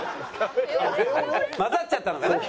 混ざっちゃったのかな？